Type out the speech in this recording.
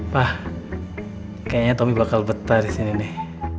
wah kayaknya tommy bakal betah di sini nih